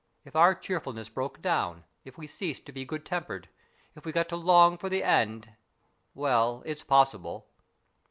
If our cheerfulness broke down, if we ceased to be good tempered, if we got to long for the end well, it's possible."